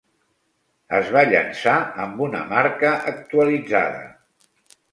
Es va llançar amb una marca actualitzada.